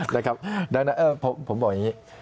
นะครับผมบอกอย่างนี้